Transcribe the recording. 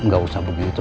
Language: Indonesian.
gak usah begitu